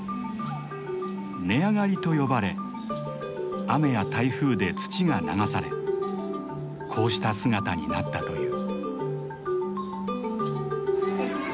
根上がりと呼ばれ雨や台風で土が流されこうした姿になったという。